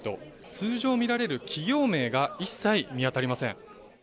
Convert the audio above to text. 通常見られる企業名が一切見当たりません。